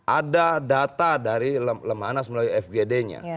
ada data dari lemhanas melalui fgd nya